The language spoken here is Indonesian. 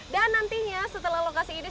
dan nantinya setelah lokasi ini